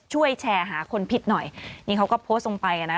ช่วยแชร์หาคนผิดหน่อยนี่เขาก็โพสต์ลงไปอ่ะนะ